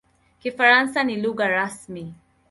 Kifaransa ni lugha rasmi.